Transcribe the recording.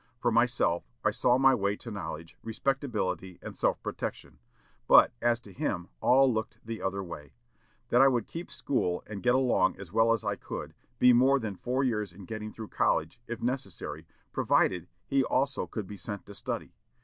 For myself, I saw my way to knowledge, respectability, and self protection; but, as to him, all looked the other way; that I would keep school, and get along as well as I could, be more than four years in getting through college, if necessary, provided he also could be sent to study....